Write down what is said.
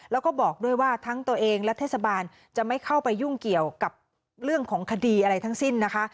แล้วก็บอกด้วยว่าทั้งตัวเองและเทศบาลจะไม่เข้าไปยุ่งเกี่ยวกับเรื่องของคดีอะไรทั้งสิ้นนะคะ